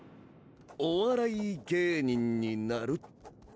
「お笑い芸人になる」っと。